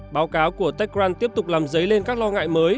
báo cáo của techcrunch tiếp tục làm giấy lên các lo ngại mới